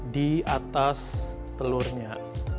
di atas telurnya